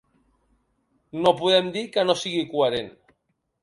No podem dir que no sigui coherent.